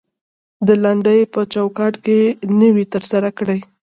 د لنډۍ په چوکات کې نوى تر سره کړى.